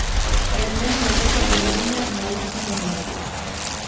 El mesmo puxo a puntiña no último minuto.